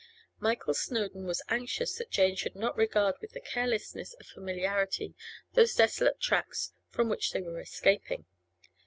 Michael Snowdon was anxious that Jane should not regard with the carelessness of familiarity those desolate tracts from which they were escaping.